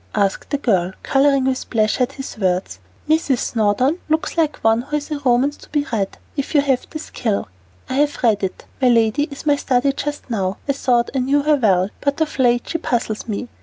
asked the girl, coloring with pleasure at his words. "Mrs. Snowdon looks like one who has a romance to be read, if you have the skill." "I have read it. My lady is my study just now. I thought I knew her well, but of late she puzzles me.